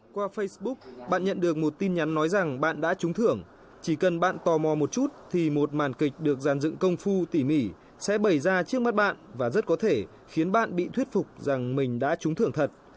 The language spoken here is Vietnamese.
qua facebook bạn nhận được một tin nhắn nói rằng bạn đã trúng thưởng chỉ cần bạn tò mò một chút thì một màn kịch được giàn dựng công phu tỉ mỉ sẽ bày ra trước mắt bạn và rất có thể khiến bạn bị thuyết phục rằng mình đã trúng thưởng thật